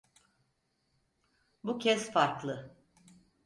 Bu kez farklı.